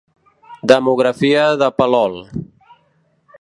Demografia de Palol.